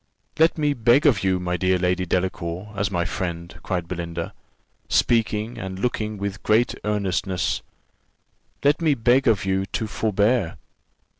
"Let me beg of you, my dear Lady Delacour, as my friend," cried Belinda, speaking and looking with great earnestness; "let me beg of you to forbear.